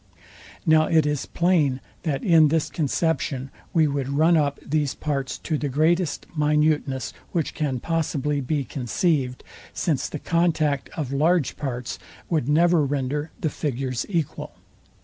Now it is plain, that in this conception we would run up these parts to the greatest minuteness, which can possibly be conceived; since the contact of large parts would never render the figures equal.